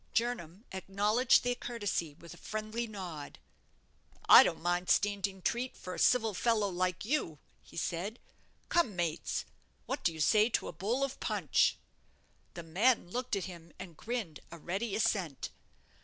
Jernam acknowledged their courtesy with a friendly nod. "I don't mind standing treat for a civil fellow like you," he said; "come, mates, what do you say to a bowl of punch?" The men looked at him and grinned a ready assent.